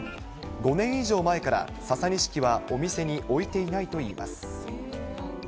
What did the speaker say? ５年以上前からササニシキはお店に置いていないといいます。